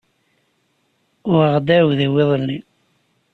Uɣeɣ-d aɛudiw iḍelli.